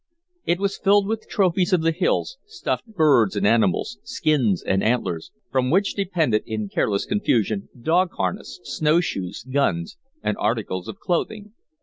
It was filled with trophies of the hills, stuffed birds and animals, skins and antlers, from which depended, in careless confusion, dog harness, snow shoes, guns, and articles of clothing.